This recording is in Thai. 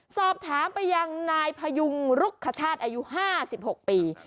สอบถามไปยังนายพยุงรุกขชาติอายุ๕๖ปี